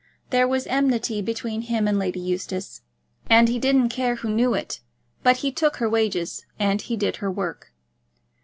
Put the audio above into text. There was enmity between him and Lady Eustace, and he didn't care who knew it; but he took her wages and he did her work.